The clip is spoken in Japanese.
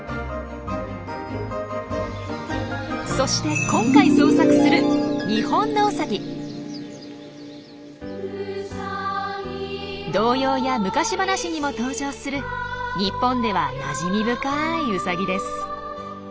そして今回捜索する童謡や昔話にも登場する日本ではなじみ深いウサギです。